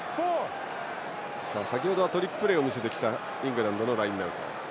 先程トリックプレーを見せてきたイングランドのラインアウト。